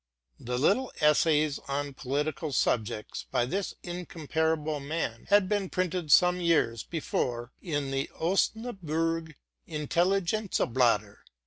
The little essays on political subjects by this incomparable man had been printed some years before in the '*' Osnaburg Intelligenzblatter,'?